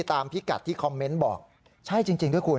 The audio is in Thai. พิกัดที่คอมเมนต์บอกใช่จริงด้วยคุณ